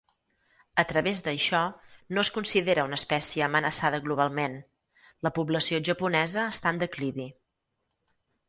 A través d'això, no es considera una espècie amenaçada globalment, la població japonesa està en declivi.